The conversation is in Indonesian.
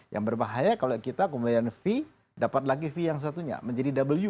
yang berbahaya kalau kita kemudian fee dapat lagi v yang satunya menjadi w